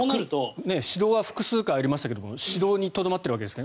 指導は複数回ありましたが指導にとどまっているわけですから。